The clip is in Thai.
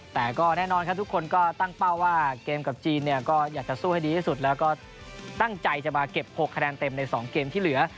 แต่ก็แน่นอนครับทุกคนก็ตั้งเป้าว่าเกมกับจีนเนี่ยก็อยากจะสู้ให้ดีที่สุดแล้วก็ตั้งใจจะมาเก็บ๖คะแนนเต็มใน๒เกมที่เหลือ